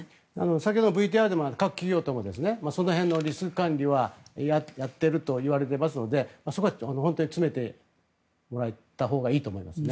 先のＶＴＲでも各企業ともその辺のリスク管理はやっているといわれていますのでそこは本当に詰めてもらったほうがいいと思いますね。